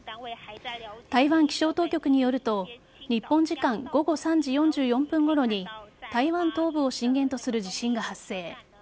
台湾気象当局によると日本時間午後３時４４分ごろに台湾東部を震源とする地震が発生。